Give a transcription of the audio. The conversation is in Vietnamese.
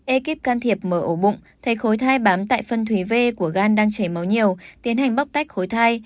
ekip can thiệp mở ổ bụng thấy khối thai bám tại phân thủy v của gan đang chảy máu nhiều tiến hành bóc tách khối thai